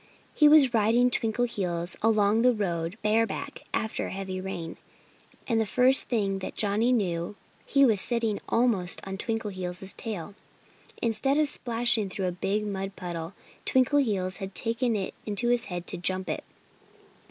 He was riding Twinkleheels along the road, bareback, after a heavy rain. And the first thing that Johnnie knew he was sitting almost on Twinkleheels' tail. Instead of splashing through a big mud puddle, Twinkleheels had taken it into his head to jump it.